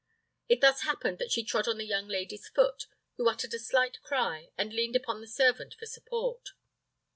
It thus happened that she trod on the young lady's foot, who uttered a slight cry, and leaned upon the servant for support.